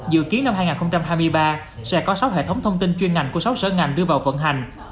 dự kiến năm hai nghìn hai mươi ba sẽ có sáu hệ thống thông tin chuyên ngành của sáu sở ngành đưa vào vận hành